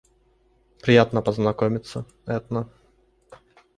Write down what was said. Приятно познакомиться, Этна.